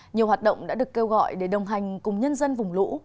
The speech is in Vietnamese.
nhiều hoạt động đã được kêu gọi để đồng hành cùng nhân dân vùng lũ